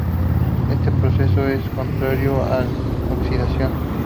Este proceso es contrario al de oxidación.